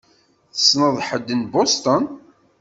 Tessneḍ ḥedd n Boston?